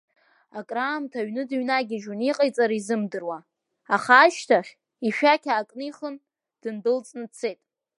Акыр аамҭа аҩны дыҩнагьежьуан иҟаиҵара изымдыруа, аха ашьҭахь, ишәақь аакнихын, дындәылҵын дцеит.